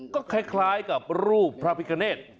ก็คล้ายกับรูปพระพิกเนธ